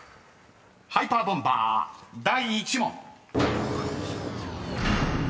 ［ハイパーボンバー第１問］